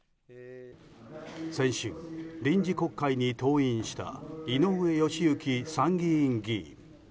先週、臨時国会に登院した井上義行参議院議員。